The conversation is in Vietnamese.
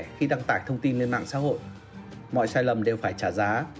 khi đăng tải thông tin lên mạng xã hội mọi sai lầm đều phải trả giá